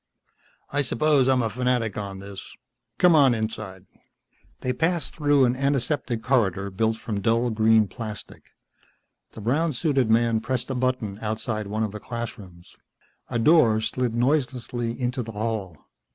"I suppose I'm a fanatic on this. Come on inside." They passed through an antiseptic corridor built from dull green plastic. The brown suited man pressed a button outside one of the classrooms. A door slid noiselessly into the hall.